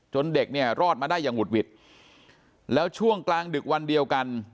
เด็กเนี่ยรอดมาได้อย่างหุดหวิดแล้วช่วงกลางดึกวันเดียวกัน